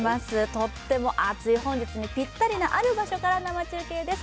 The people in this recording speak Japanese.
とっても暑い本日にぴったりな、ある場所から生中継です。